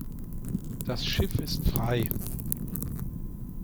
Das Schiff ist frei.